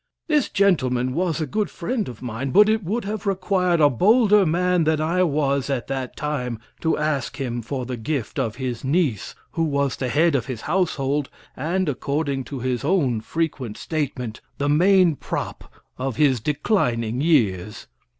This gentleman was a good friend of mine, but it would have required a bolder man than I was at that time to ask him for the gift of his niece, who was the head of his household, and, according to his own frequent statement, the main prop of his declining years.